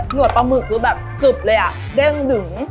หนวดปอมอึกดูซื้อแบบกรึบเลยอะเด้งนึง